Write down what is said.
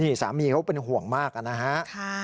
นี่สามีเขาเป็นห่วงมากนะฮะ